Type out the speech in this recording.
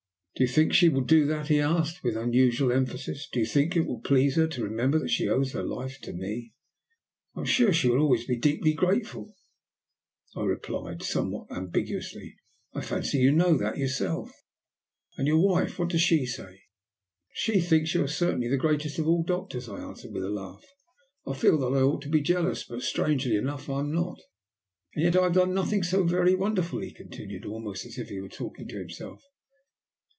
"Do you think she will do that?" he asked, with unusual emphasis. "Do you think it will please her to remember that she owes her life to me?" "I am sure she will always be deeply grateful," I replied, somewhat ambiguously. "I fancy you know that yourself." "And your wife? What does she say?" "She thinks you are certainly the greatest of all doctors," I answered, with a laugh. "I feel that I ought to be jealous, but strangely enough I'm not." "And yet I have done nothing so very wonderful," he continued, almost as if he were talking to himself.